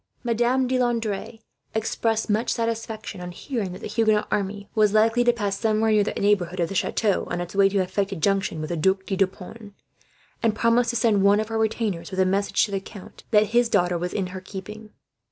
Madame de Landres expressed much satisfaction on hearing that the Huguenot army was likely to pass somewhere near the neighbourhood of the chateau, on its way to effect a junction with the Duc de Deux Ponts; and promised to send one of her retainers with a message, to the count, that his daughter was in her keeping.